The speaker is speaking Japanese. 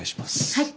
はい。